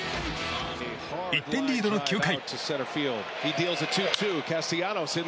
１点リードの９回。